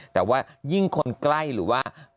แต่ว่ายิ่งคนใกล้หรือว่า